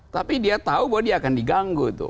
tapi dia tahu bahwa dia akan diganggu tuh